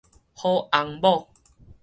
好翁某